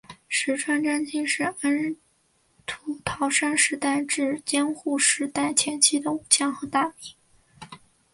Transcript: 石川贞清是安土桃山时代至江户时代前期的武将和大名。